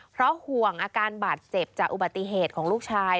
เพราะห่วงอาการบาดเจ็บจากอุบัติเหตุของลูกชาย